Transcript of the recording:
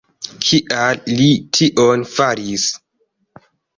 Kial li tion faris?